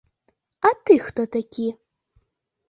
А ты хто такі?